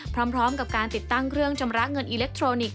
พร้อมกับการติดตั้งเครื่องชำระเงินอิเล็กทรอนิกส